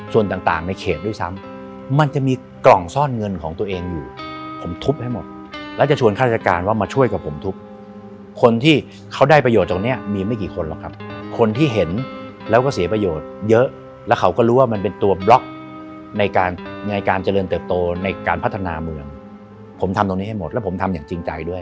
ส่วนต่างในเขตด้วยซ้ำมันจะมีกล่องซ่อนเงินของตัวเองอยู่ผมทุบให้หมดแล้วจะชวนข้าราชการว่ามาช่วยกับผมทุบคนที่เขาได้ประโยชน์ตรงนี้มีไม่กี่คนหรอกครับคนที่เห็นแล้วก็เสียประโยชน์เยอะแล้วเขาก็รู้ว่ามันเป็นตัวบล็อกในการในการเจริญเติบโตในการพัฒนาเมืองผมทำตรงนี้ให้หมดแล้วผมทำอย่างจริงใจด้วย